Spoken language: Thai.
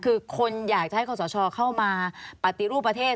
คือคนอยากจะให้คอสชเข้ามาปฏิรูปประเทศ